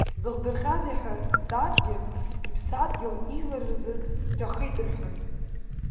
Дзыхдырҟьазеи ҳәа иҵааргьы, иԥсадгьыли ижәлари рзы дҭахеит рҳәоит.